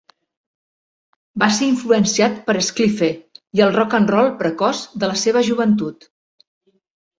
Va ser influenciat per l'esquifle i el rock and roll precoç en la seva joventut.